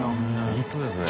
本当ですね。